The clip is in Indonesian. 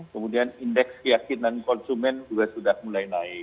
kemudian indeks keyakinan konsumen juga sudah mulai naik